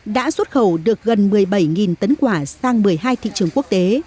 đã xuất khẩu được gần một mươi bảy tấn quả sang một mươi hai thị trường quốc tế